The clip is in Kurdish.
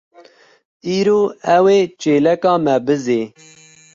Îro ew ê çêleka me bizê.